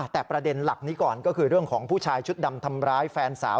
แต่ประเด็นหลักนี้ก่อนก็คือเรื่องของผู้ชายชุดดำทำร้ายแฟนสาว